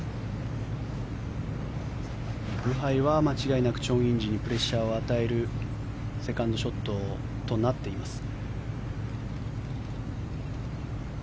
ブハイは間違いなくチョン・インジにプレッシャーを与えるセカンドショットとなっています。